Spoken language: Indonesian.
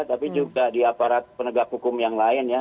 tapi juga di aparat penegak hukum yang lain ya